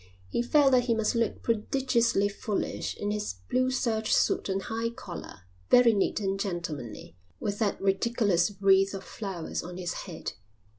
He felt that he must look prodigiously foolish in his blue serge suit and high collar very neat and gentlemanly with that ridiculous wreath of flowers on his head.